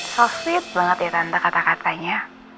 so sweet banget ya tante kata katanya